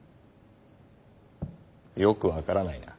よく分からないな。